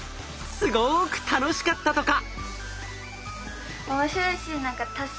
すごく楽しかったとか。